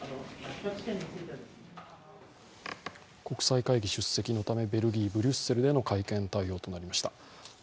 国際会議出席のためベルギー・ブリュッセルでの会見対応となりました。